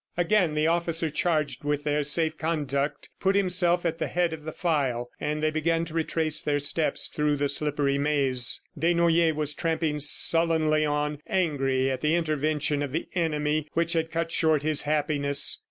Again the officer charged with their safe conduct put himself at the head of the file, and they began to retrace their steps through the slippery maze. Desnoyers was tramping sullenly on, angry at the intervention of the enemy which had cut short his happiness.